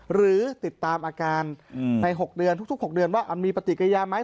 หรือติดตามอาการใน๖เดือนทุก๖เดือนว่ามีปฏิกิยาไหม